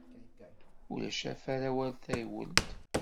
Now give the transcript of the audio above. Ulac afara war taywelt.